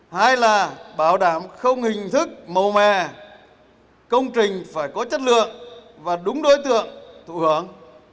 hai là bảo đảm không hình thức màu mè công trình phải có chất lượng và đúng đối tượng